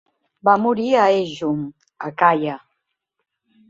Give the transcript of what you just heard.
Va morir a Aegium a Acaia.